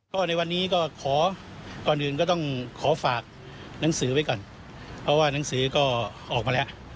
ก็ในวันนี้ก็ขอก่อนอื่นก็ต้องขอฝากหนังสือไว้ก่อนเพราะว่าหนังสือก็ออกมาแล้ว